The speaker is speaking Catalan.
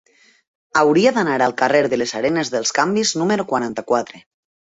Hauria d'anar al carrer de les Arenes dels Canvis número quaranta-quatre.